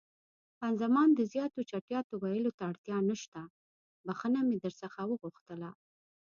خان زمان: د زیاتو چټیاتو ویلو ته اړتیا نشته، بښنه مې در څخه وغوښتله.